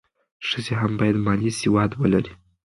ښځې هم باید مالي سواد ولري.